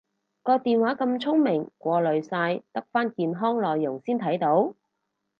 個電話咁聰明過濾晒得返健康內容先睇到？